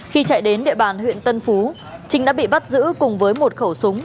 khi chạy đến địa bàn huyện tân phú trinh đã bị bắt giữ cùng với một khẩu súng